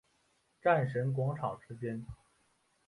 战神广场之间。